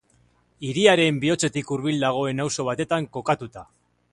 Hiriaren bihotzetik hurbil dagoen auzo batetan kokatuta.